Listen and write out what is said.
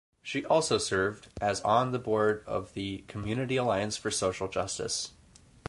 She also served as on the board of the "Community Alliance for Social Justice".